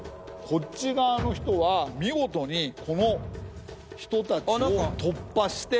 こっち側の人は見事にこの人たちを突破して。